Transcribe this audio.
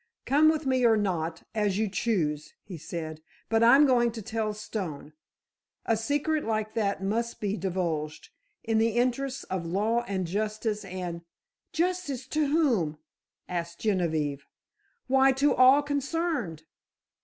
"Come with me or not, as you choose," he said; "but I'm going to tell Stone. A secret like that must be divulged—in the interests of law and justice and——" "Justice to whom?" asked Genevieve. "Why, to all concerned."